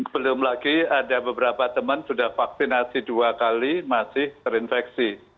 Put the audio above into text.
belum lagi ada beberapa teman sudah vaksinasi dua kali masih terinfeksi